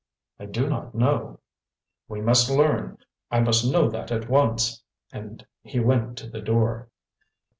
"I do not know." "We must learn; I must know that, at once." And he went to the door.